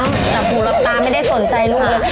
แต่หลักตาไม่ได้สนใจด้วย